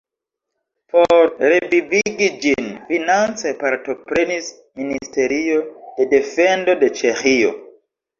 Por revivigi ĝin finance partoprenis Ministerio de defendo de Ĉeĥio.